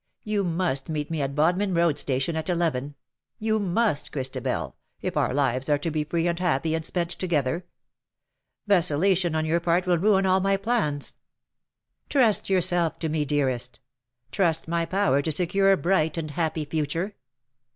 You must meet me at Bodmin Road Station at eleven — you must, Christabel^ if our lives are to be free and happy and spent together. Vacillation on your part will ruin all my plans. Trust yourself to me, dearest — trust my power to secure a bright and happy future.